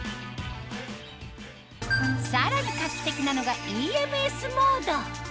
さらに画期的なのがＥＭＳモード